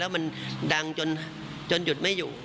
มันดังจนหยุดไม่อยู่